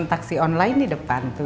taksi online di depan tuh